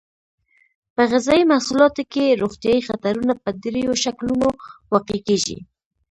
په غذایي محصولاتو کې روغتیایي خطرونه په دریو شکلونو واقع کیږي.